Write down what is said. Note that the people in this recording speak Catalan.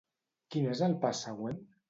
Quin és el pas següent?